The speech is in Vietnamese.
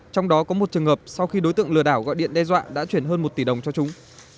trong đó có một trường hợp sau khi đối tượng lừa đảo gọi điện đe dọa đã chuyển hơn một tỷ đồng cho chúng